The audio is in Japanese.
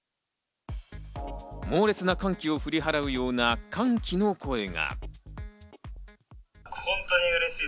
猛烈な寒気を振り払うような歓喜の声が。